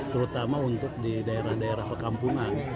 terutama untuk di daerah daerah perkampungan